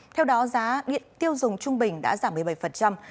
theo đó giá điện tiêu dùng trung bình đã giảm một mươi bảy